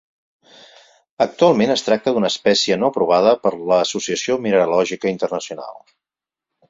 Actualment, es tracta d'una espècie no aprovada per l'Associació Mineralògica Internacional.